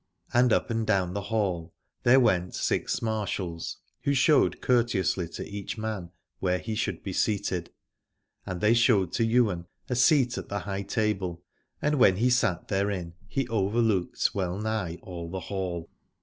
And up and down the hall there went six marshals who showed courteously to each man where he should be seated : and they showed to 82 Aladore Ywain a seat at the high table, and when he sat therein he overlooked wellnigh all the hall.